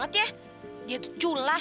kita tidak semua itu maunya biru cerah